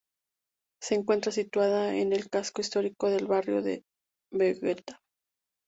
Se encuentra situada en el casco histórico del barrio de Vegueta.